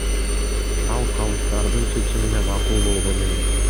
Ал калыстардын чечимине макул болгон эмес.